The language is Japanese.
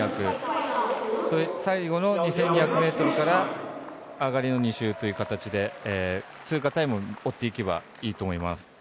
最後の２２００ｍから上がりの２周という形で通過タイムを追っていけばいいと思います。